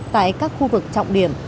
tại các khu vực trọng điểm